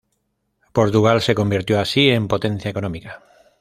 Portugal se convirtió así en potencia económica.